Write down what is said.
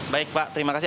baik pak terima kasih